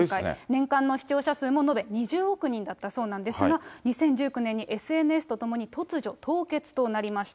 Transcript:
年間の視聴者数も延べ２０億人だったそうなんですが、２０１９年にＳＮＳとともに突如凍結となりました。